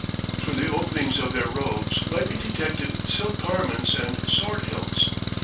Through the openings of their robes might be detected silk garments and sword hilts.